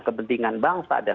kepentingan bangsa dan